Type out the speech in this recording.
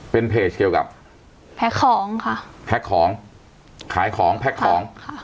เป็นเพจเกี่ยวกับแพ็คของค่ะแพ็คของขายของแพ็คของค่ะ